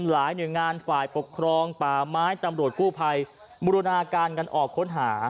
หลายหน่วยงานฝ่ายปกครองป่าไม้ตำรวจกู้ภัยบูรณาการกันออกค้นหา